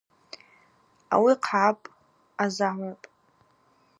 Ауи хъгӏапӏ, ъазагӏвапӏ.